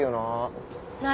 何？